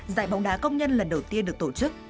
giải bóng đá công nhân lần đầu tiên được tổ chức